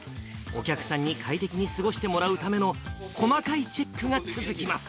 お客さんに快適に過ごしてもらうための、細かいチェックが続きます。